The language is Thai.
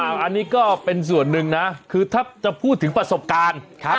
อันนี้ก็เป็นส่วนหนึ่งนะคือถ้าจะพูดถึงประสบการณ์